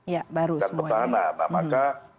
ya baru semuanya nah maka